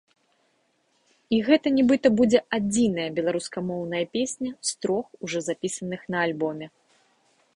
І гэта, нібыта, будзе адзіная беларускамоўная песня, з трох ужо запісаных, на альбоме.